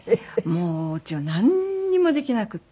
もううちはなんにもできなくって。